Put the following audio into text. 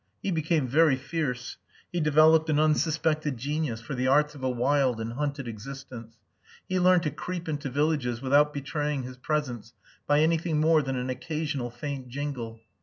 He became very fierce. He developed an unsuspected genius for the arts of a wild and hunted existence. He learned to creep into villages without betraying his presence by anything more than an occasional faint jingle.